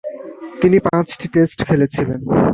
তিনি পাঁচটি টেস্টে খেলেছিলেন।